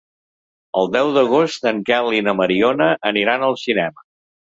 El deu d'agost en Quel i na Mariona aniran al cinema.